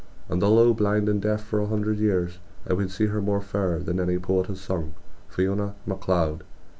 V And though blind and deaf for a hundred years I would see her more fair than any poet has sung. FIONA MACLEOD.